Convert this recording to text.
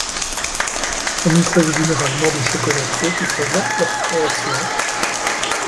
On y trouve généralement des chocolatiers qui présentent leurs créations.